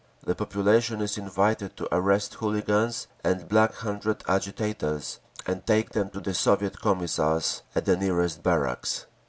The population is invited to arrest hooligans and Black Hundred agitators and take them to the Soviet Commissars at the nearest barracks.